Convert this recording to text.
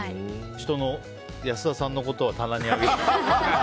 安田さんのことは棚に上げて。